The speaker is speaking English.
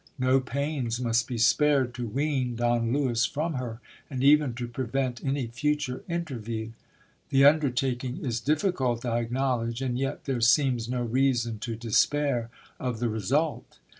No pains must be spared to wean Don Lewis from her, and even to prevent any future interview. The undertaking is difficult, I acknowledge, and yet there seems no reason to despair of the result.